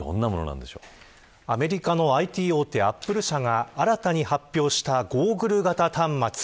アメリカのＩＴ大手アップル社が新たに発表したゴーグル型端末。